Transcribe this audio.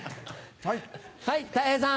はいたい平さん。